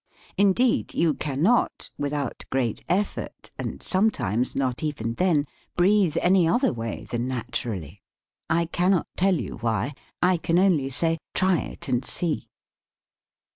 Indeed, you cannot, without great effort, and some times not even then, breathe any other way than naturally. I cannot tell you why. I can only say, try it and see.